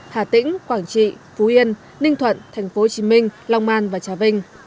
hà tĩnh quảng trị phú yên ninh thuận tp hcm long an và trà vinh